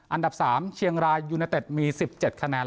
อันดับ๓เชียงรายยูเนเต็ดมี๑๗คะแนน